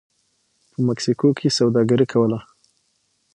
په مکسیکو کې یې سوداګري کوله